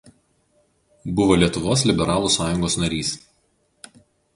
Buvo Lietuvos liberalų sąjungos narys.